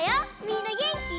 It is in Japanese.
みんなげんき？